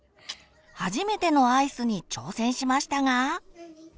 初めてのアイスに挑戦しましたが。